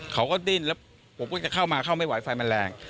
เขาก็ดิ้นแล้วผมก็จะเข้ามาเข้าไม่ไหวไฟมันแรง